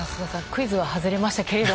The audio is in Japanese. クイズは外れましたけど。